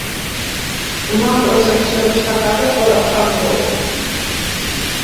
Una altra secció destacada és la d'handbol.